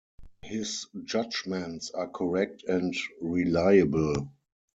His judgments are correct and reliable.